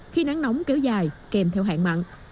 khi nắng nóng kéo dài kèm theo hạn mặn